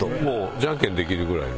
じゃんけんできるぐらいの。